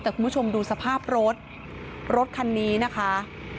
แต่คุณผู้ชมดูสภาพรถรถคันนี้นะคะ